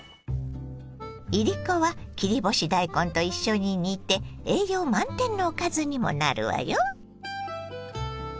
いりこは切り干し大根と一緒に煮て栄養満点のおかずにもなるわよ。